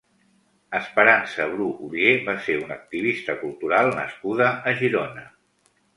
Esperança Bru Oller va ser una activista cultural nascuda a Girona.